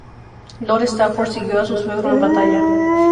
Lord Stafford siguió a su suegro en batalla.